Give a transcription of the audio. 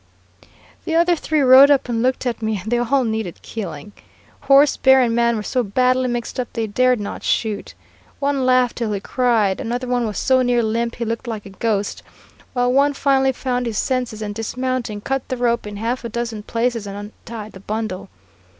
"The other three rode up and looked at me, and they all needed killing. Horse, bear, and man were so badly mixed up, they dared not shoot. One laughed till he cried, another one was so near limp he looked like a ghost, while one finally found his senses and, dismounting, cut the rope in half a dozen places and untied the bundle.